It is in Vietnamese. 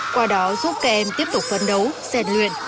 qua đó giúp các em tiếp tục phấn đấu xen luyện